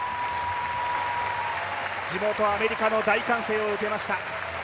地元アメリカの大歓声を受けました。